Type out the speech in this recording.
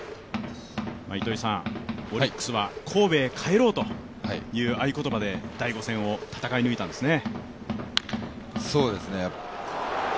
オリックスは神戸へ帰ろうという合い言葉で第５戦を戦い抜いたんですね。